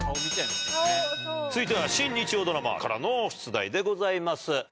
続いては新日曜ドラマからの出題でございます。